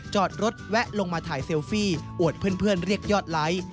จอดรถแวะลงมาถ่ายเซลฟี่อวดเพื่อนเรียกยอดไลค์